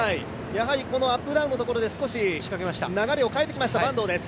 やはりこのアップダウンで少し流れを変えてきました、坂東です。